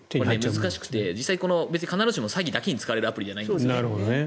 難しくて必ずしも詐欺だけに使われるアプリではないんです。